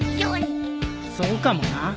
そうかもな。